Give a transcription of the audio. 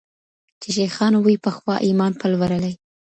چي شیخانو وي پخوا ایمان پلورلی